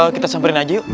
kita samperin aja yuk